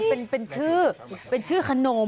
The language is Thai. เออเป็นชื่อขนม